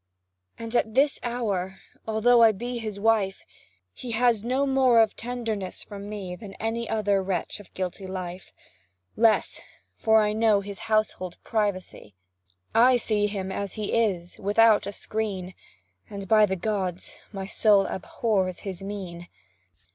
And at this hour although I be his wife He has no more of tenderness from me Than any other wretch of guilty life; Less, for I know his household privacy I see him as he is without a screen; And, by the gods, my soul abhors his mien!